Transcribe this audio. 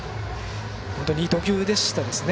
本当にいい投球でしたね。